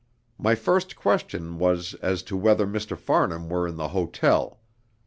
My first question was as to whether Mr. Farnham were in the hotel.